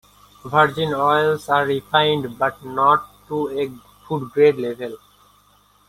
Virgin oils are refined, but not to a food-grade level.